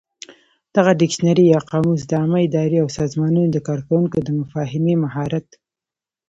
دغه ډکشنري یا قاموس د عامه ادارې او سازمانونو د کارکوونکو د مفاهمې مهارت